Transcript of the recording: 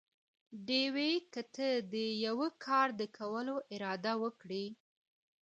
ډېوې!! که ته دې يوه کار د کولو اراده وکړي؟